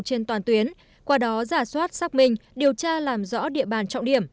trên toàn tuyến qua đó giả soát xác minh điều tra làm rõ địa bàn trọng điểm